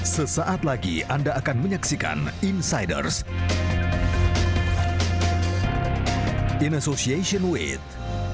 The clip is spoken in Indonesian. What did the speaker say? sesaat lagi anda akan menyaksikan insiders in association with